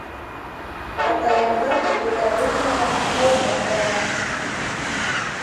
Атайыңдың түләп бөтмәгән һалымы ҡалған.